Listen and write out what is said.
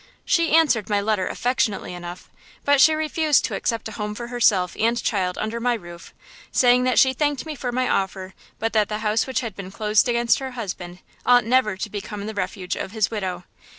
She answered my letter affectionately enough, but she refused to accept a home for herself and child under my roof, saying that she thanked me for my offer, but that the house which had been closed against her husband ought never to become the refuge of his widow.